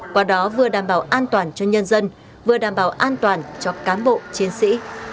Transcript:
qua đó vừa đảm bảo an toàn cho nhân dân vừa đảm bảo an toàn cho cán bộ chiến sĩ